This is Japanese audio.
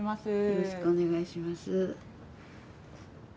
よろしくお願いします。